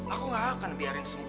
aku gak akan biarin semua